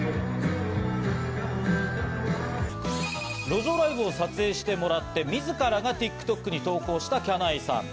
路上ライブを撮影してもらって、自らがＴｉｋＴｏｋに投稿したきゃないさん。